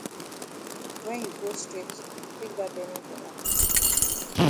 When you go straight you take dat benin corner.